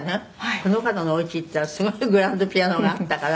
「この方のおうち行ったらすごいグランドピアノがあったから